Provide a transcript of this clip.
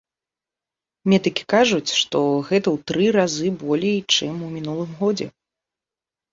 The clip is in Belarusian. Медыкі кажуць, што гэта ў тры разы болей, чым у мінулым годзе.